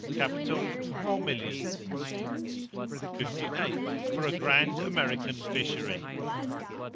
Capital, four millions. 58. For a grand American fishery.